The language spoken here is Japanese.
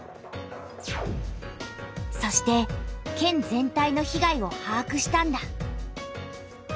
そして県全体の被害をはあくしたんだ。